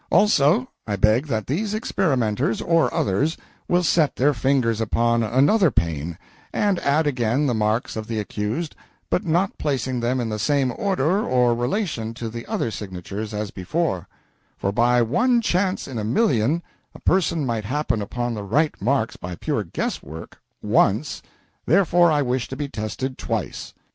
Also, I beg that these experimenters, or others, will set their finger marks upon another pane, and add again the marks of the accused, but not placing them in the same order or relation to the other signatures as before for, by one chance in a million, a person might happen upon the right marks by pure guess work once, therefore I wish to be tested twice."